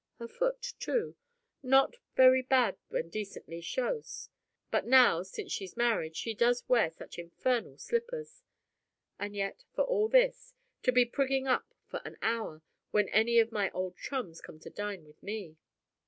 Her foot, too not very bad when decently chausse; but now since she's married she does wear such infernal slippers! And yet for all this, to be prigging up for an hour, when any of my old chums come to dine with me!